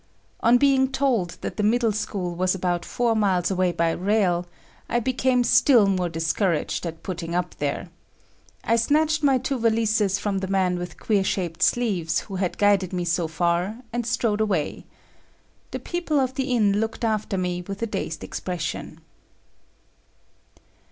On being told that the middle school was about four miles away by rail, I became still more discouraged at putting up there. I snatched my two valises from the man with queer shaped [B] sleeves who had guided me so far, and strode away. The people of the inn looked after me with a dazed expression.